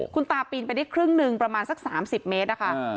คุณตาปีนไปได้ครึ่งหนึ่งประมาณสักสามสิบเมตรอะค่ะอือ